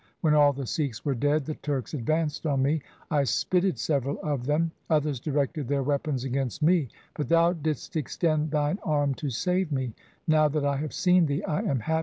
When all the Sikhs were dead the Turks advanced on me. I spitted several of them. Others directed their weapons against me, but thou didst extend thine arm to save me.